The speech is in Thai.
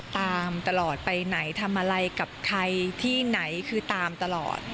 ตามตลอดไปไหนทำอะไรกับใครที่ไหนคือตามตลอด